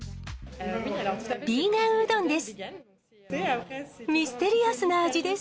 ヴィーガンうどんです。